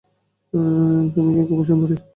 তুমি খুবই সুন্দরী।